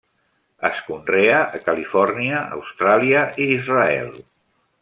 Es conrea a Califòrnia, Austràlia i Israel.